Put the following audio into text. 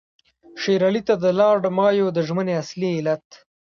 شېر علي ته د لارډ مایو د ژمنې اصلي علت.